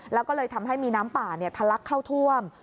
แล้วก็เลยทำให้มีน้ำป่าทะลักเข้าท่วม